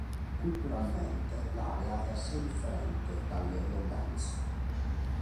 Culturalmente l'area è assai differente dalle Lowlands.